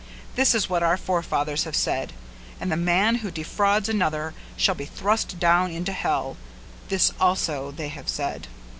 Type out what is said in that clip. This is what our forefathers have said; and the man who defrauds another shall be thrust down into hell; this also they have said.